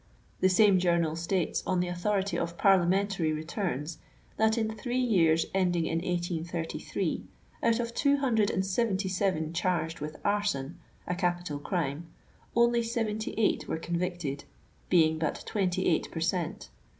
The same journal states on the authority of Parliamentary returns, that in three years ending in 1833, out of two hundred and seventy seven charged with arson, a capital crime, only seventy eight were convicted, being but 28 per cent.